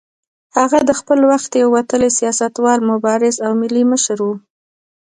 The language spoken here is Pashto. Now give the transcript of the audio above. هغه د خپل وخت یو وتلی سیاستوال، مبارز او ملي مشر و.